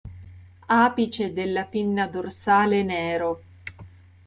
Apice della pinna dorsale nero.